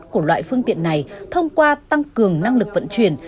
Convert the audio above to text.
của loại phương tiện này thông qua tăng cường năng lực vận chuyển